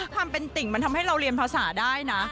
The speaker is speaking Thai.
ทำเป็นติ่งมันทำให้เราเรียนภาษาได้นะ